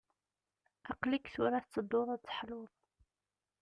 Aql-ik tura tettedduḍ ad teḥluḍ.